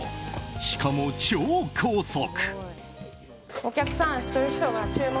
しかも超高速。